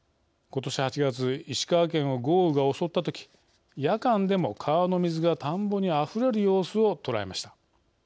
今年８月石川県を豪雨が襲った時夜間でも川の水が田んぼにあふれる様子を捉えました。